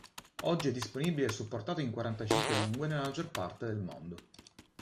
Oggi è disponibile e supportato in quarantacinque lingue nella maggior parte del mondo.